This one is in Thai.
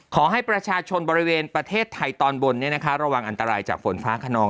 ขอให้ประชาชนบริเวณประเทศไทยตอนบนระวังอันตรายจากฝนฟ้าขนอง